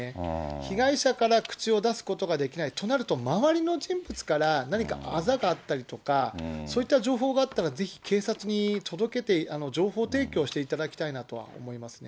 被害者から口を出すことができない、となると、周りの人物から、何かあざがあったりとか、そういった情報があったら、ぜひ警察に届けて、情報提供していただきたいなとは思いますね。